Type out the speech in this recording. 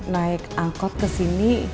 naik angkot kesini